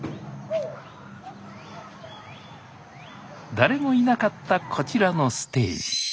誰もいなかったこちらのステージ。